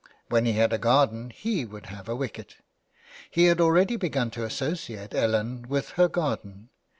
When he had a garden he would have a wicket. He had already begun to associate Ellen with her garden.